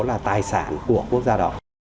là tài sản của quốc gia đó